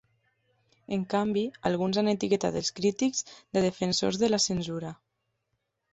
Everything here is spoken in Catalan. En canvi, alguns han etiquetat els crítics de "defensors de la censura".